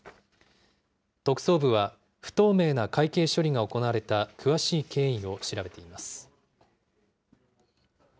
特捜部は、不透明な会計処理が行われた詳しい経緯を調べています。